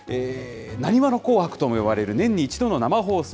なにわの紅白とも呼ばれる年に１度の生放送。